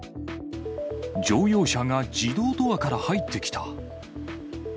乗用車が自動ドアから入ってきた。